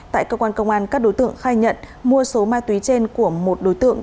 tại cơ quan công an các đối tượng khai nhận mua số ma túy trên của một đối tượng